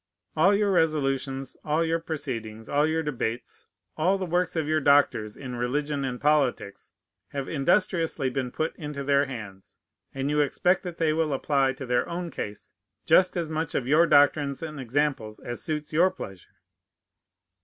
All your resolutions, all your proceedings, all your debates, all the works of your doctors in religion and politics, have industriously been put into their hands; and you expect that they will apply to their own case just as much of your doctrines and examples as suits your pleasure.